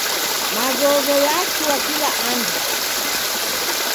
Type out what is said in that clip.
Mazozo yachua kila andu.